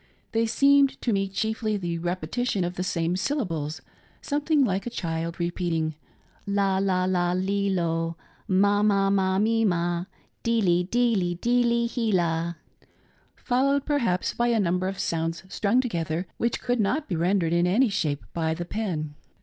They seemed to me chiefly the repetition of the same syllables — something like a child re peating, la, la, la, le, lo ; ma, ma, ma, mi, ma ; dele, dele, dele, hela — followed, perhaps, by a number of sounds strung together, which could not be rendered in any shape by the pen.